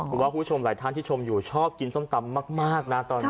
ผมว่าคุณผู้ชมหลายท่านที่ชมอยู่ชอบกินส้มตำมากนะตอนนี้